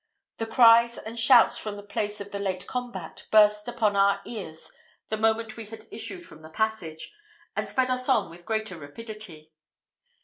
The cries and shouts from the place of the late combat burst upon our ears the moment we had issued from the passage, and sped us on with greater rapidity.